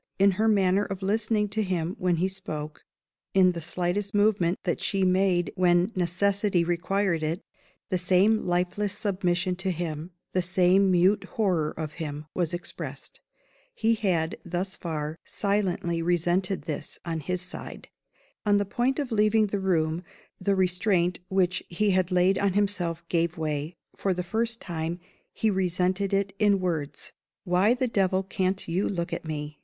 In her manner of listening to him when he spoke, in the slightest movement that she made when necessity required it, the same lifeless submission to him, the same mute horror of him, was expressed. He had, thus far, silently resented this, on his side. On the point of leaving the room the restraint which he had laid on himself gave way. For the first time, he resented it in words. "Why the devil can't you look at me?"